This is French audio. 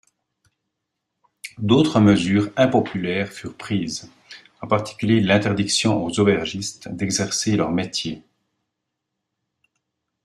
D'autres mesures impopulaires furent prises, en particulier l'interdiction aux aubergistes d'exercer leur métier.